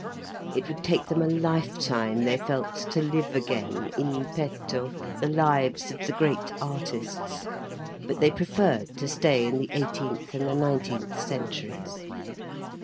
It would take them a life time, they felt to live again, in petto, the lives of the great artists. But they preferred to stay in the eighteenth and the nineteenth centuries.